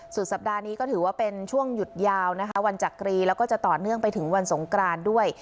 สัปดาห์นี้ก็ถือว่าเป็นช่วงหยุดยาวนะคะวันจักรีแล้วก็จะต่อเนื่องไปถึงวันสงกรานด้วย